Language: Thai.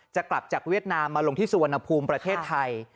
จะกลับจากเวียดนามมาลงที่สุวรรณภูมิประเทศไทย